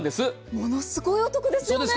ものすごいお得ですよね。